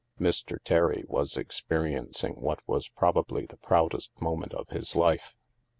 Mr. Terry was experiencing what was probably the proudest moment of his life.